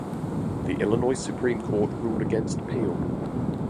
The Illinois Supreme Court ruled against Peel.